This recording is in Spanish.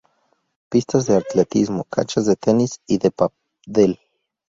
Pistas de atletismo, canchas de tenis y de pádel.